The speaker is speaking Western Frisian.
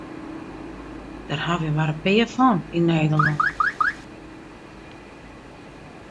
Dêr hawwe wy mar in pear fan yn Nederlân.